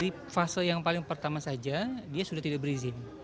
di fase yang paling pertama saja dia sudah tidak berizin